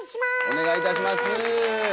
お願いいたします。